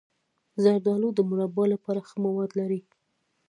زردالو د مربا لپاره ښه مواد لري.